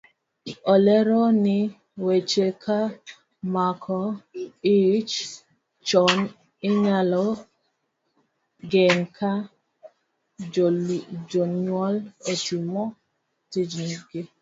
Olero ni weche ka mako ich chon inyalo geng' ka jonyuol otimo tijgi.